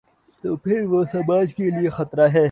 تو پھر وہ سماج کے لیے خطرہ ہے۔